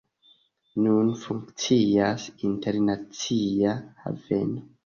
Nun funkcias internacia haveno.